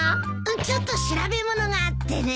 ちょっと調べものがあってね。